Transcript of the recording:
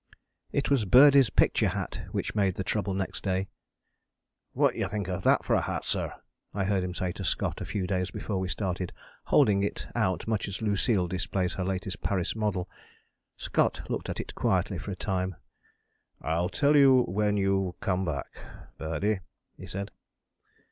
It was Birdie's picture hat which made the trouble next day. "What do you think of that for a hat, sir?" I heard him say to Scott a few days before we started, holding it out much as Lucille displays her latest Paris model. Scott looked at it quietly for a time: "I'll tell you when you come back, Birdie," he said.